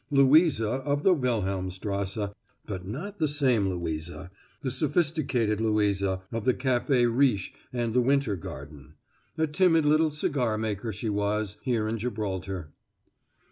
Louisa of the Wilhelmstrasse; but not the same Louisa the sophisticated Louisa of the Café Riche and the Winter Garden. A timid little cigar maker she was, here in Gibraltar.